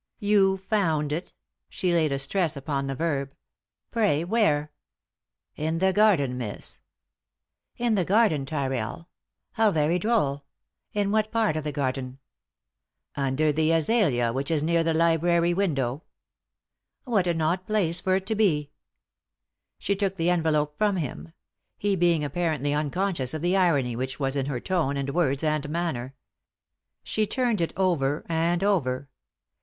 " You found it ?" She laid a stress upon the verb, " Pray, where ?" "In the garden, miss." 215 3i 9 iii^d by Google THE INTERRUPTED KISS " Id the garden, Tyrrell ? How very droll I In what part of the garden ?"" Under the azalea which is near the library window." " What an odd place for it to be I " She took the envelope from him; he being apparently unconscious of the irony which was In her tone, and words, and manner. She turned it over and over.